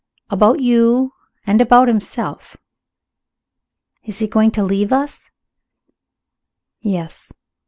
"About you, and about himself." "Is he going to leave us?" "Yes."